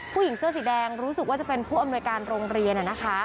ผู้หญิงเสื้อสีแดงรู้สึกว่าจะเป็นผู้อำนวยการโรงเรียน